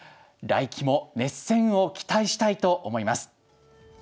来期も熱戦を期待したいと思います。